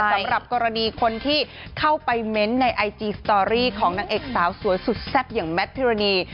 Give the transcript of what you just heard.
สำหรับกรณีคนที่เข้าไปเม้นต์ในไอจีสตอรี่ของนางเอกสาวสวยสุดแซ่บอย่างแมทพิรณี